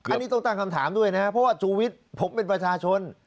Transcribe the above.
อันนี้ต้องตั้งคำถามด้วยนะครับเพราะว่าชูวิทย์ผมเป็นประชาชน